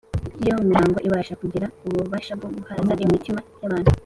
iyo mihango ibasha kugira ububasha bwo guhaza imitima y’abantu.